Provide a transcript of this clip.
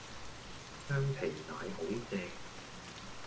雙皮奶好正